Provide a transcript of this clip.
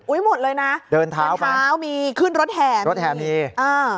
อุ้ยหมดเลยน่ะเดินเท้ามีขึ้นรถแห่มรถแห่มมีอ่า